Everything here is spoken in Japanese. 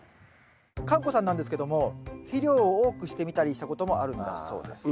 かんこさんなんですけども肥料を多くしてみたりしたこともあるんだそうです。